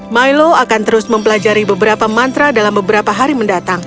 milo akan terus mempelajari beberapa mantra dalam beberapa hari mendatang